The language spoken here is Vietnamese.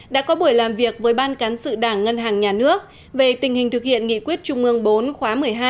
đã có buổi làm việc với ban cán sự đảng ngân hàng nhà nước về tình hình thực hiện nghị quyết trung ương bốn khóa một mươi hai